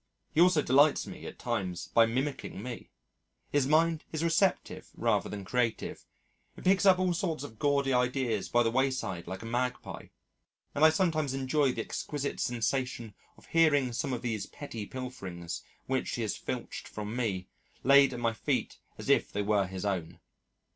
He also delights me at times by mimicking me. His mind is receptive rather than creative: it picks up all sorts of gaudy ideas by the wayside like a magpie, and I sometimes enjoy the exquisite sensation of hearing some of these petty pilferings (which he has filched from me) laid at my feet as if they were his own.